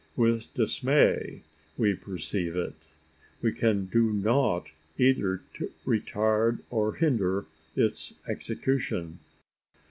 With dismay, we perceive it. We can do nought either to retard or hinder its execution.